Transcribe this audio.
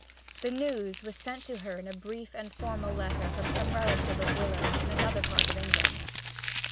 The news was sent her in a brief and formal letter from some relative of Willowes's in another part of England.